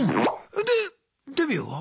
でデビューは？